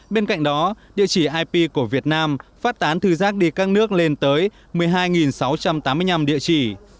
bên cạnh đó địa chỉ ip của việt nam phát tán thư giác đi các nước lên tới một mươi hai sáu trăm tám mươi năm địa chỉ